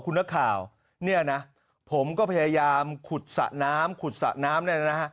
คุณนักข่าวเนี่ยนะผมก็พยายามขุดสระน้ำขุดสระน้ำเนี่ยนะฮะ